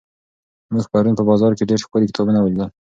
موږ پرون په بازار کې ډېر ښکلي کتابونه ولیدل.